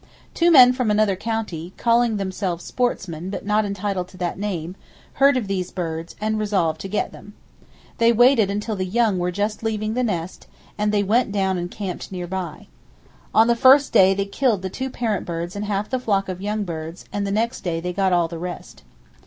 Two men from another county, calling themselves sportsmen but not entitled to that name, heard of those birds, and resolved to "get them." They waited until the young were just leaving the nest: and they went down and camped near by. On the first day they killed the two parent birds and half the flock of young birds, and the next day they got all the rest.